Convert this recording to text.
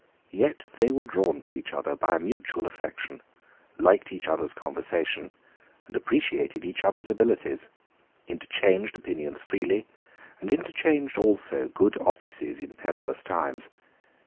Yet they were drawn to each other by a mutual attraction, liked each other's conversation, appreciated each other's abilities, interchanged opinions freely, and interchanged also good offices in perilous times.